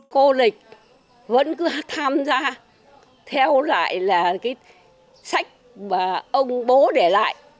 cô lịch vẫn cứ tham gia theo lại là cái sách mà ông bố để lại